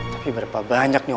tapi berapa banyak nih